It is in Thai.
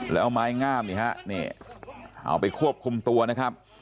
แล้วไม้งามนี่ฮะนี่เอาไปควบคุมตัวนะครับ